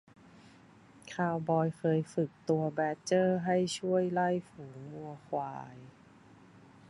คาวบอยเคยฝึกตัวแบดเจอร์ให้ช่วยไล่ฝูงวัวควาย